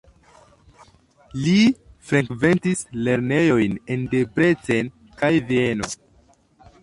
Li frekventis lernejojn en Debrecen kaj Vieno.